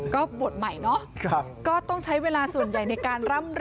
ก็บวชใหม่เนาะก็ต้องใช้เวลาส่วนใหญ่ในการร่ำ